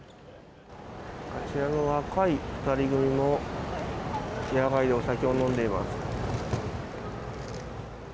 あちらの若い２人組もお酒を飲んでいます。